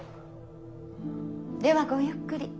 ではごゆっくり。